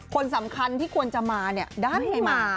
คนสำคัญที่ควรจะมาด้านไหนมา